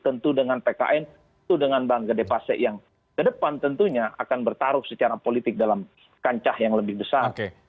tentu dengan pkn itu dengan bang gede pasek yang kedepan tentunya akan bertaruh secara politik dalam kancah yang lebih besar